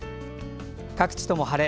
各地とも晴れ。